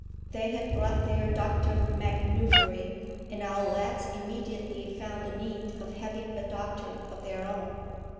They had brought their Dr MacNuffery, and our lads immediately found the need of having a doctor of their own.